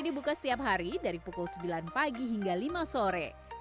dibuka setiap hari dari pukul sembilan pagi hingga lima sore